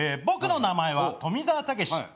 僕の名前は富澤たけし。